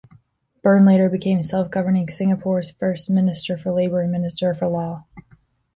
Byrne later became self-governing Singapore's first Minister for Labour and Minister for Law.